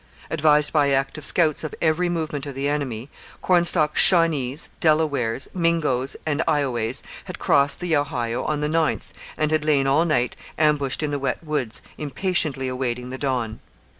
Advised by active scouts of every movement of the enemy, Cornstalk's Shawnees, Delawares, Mingoes, and Ioways had crossed the Ohio on the 9th and had lain all night ambushed in the wet woods, impatiently awaiting the dawn.